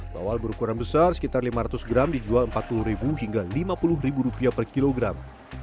bawal berukuran besar sekitar lima ratus gram dijual rp empat puluh hingga rp lima puluh per kilogram